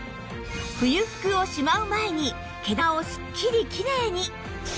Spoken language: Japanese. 冬服をしまう前に毛玉をすっきりキレイに！